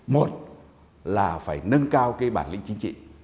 một là phải nâng cao cái bản lĩnh chính trị